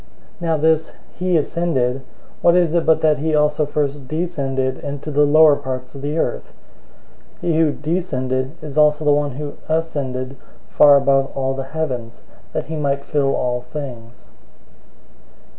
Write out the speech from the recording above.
"{Psalm 68:18} 004:009 Now this, "He ascended," what is it but that he also first descended into the lower parts of the earth? 004:010 He who descended is the one who also ascended far above all the heavens, that he might fill all things.